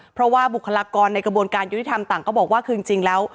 เพราะว่าบุคลากรในกระบวนการยุติธรรมต่างก็บอกว่าคือจริงแล้ว